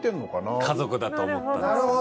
僕も家族だと思ったんですよね。